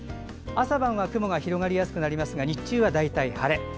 朝晩は雲が広がりやすくなりますが日中は大体晴れ。